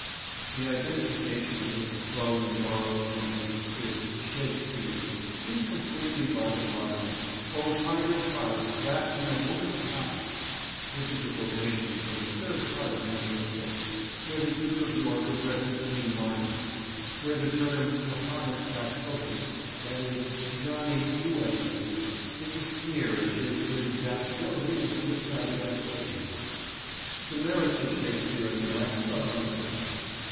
The identification of this crow in borrowed plumage, this "Shake scene," is completed by the line, "O tiger's heart, wrapp'd in a woman's hide," which is a quotation from the Third Part of Henry the Sixth, where the Duke of York addresses Queen Margaret; while the term "Johannes factotum," i.e. "Johnny Do everything," is a sneer at Shakespeare's adaptability and many sided activities. The merits of Shakespeare as an actor are uncertain.